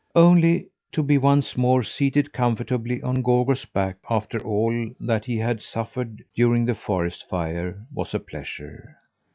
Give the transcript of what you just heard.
Only to be once more seated comfortably on Gorgo's back, after all that he had suffered during the forest fire, was a pleasure.